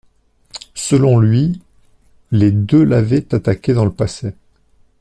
Selon lui les deux l'avaient attaqué dans le passé.